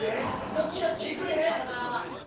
ドキドキしてんねやろな。